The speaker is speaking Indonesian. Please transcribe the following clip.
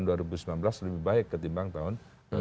lebih baik ketimbang tahun dua ribu empat belas